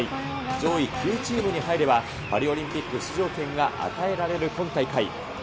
上位９チームに入れば、パリオリンピック出場権が与えられる今大会。